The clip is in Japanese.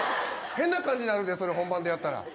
変な感じになるで、それ本番でやったら。